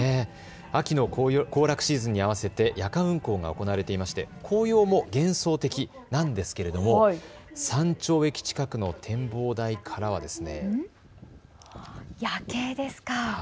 秋の行楽シーズンに合わせて夜間運行が行われていまして紅葉も幻想的なんですけれども山頂駅近くの展望台からはですね、夜景ですか。